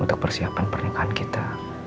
untuk persiapan pernikahan kita